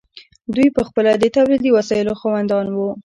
دوی پخپله د تولیدي وسایلو خاوندان وو.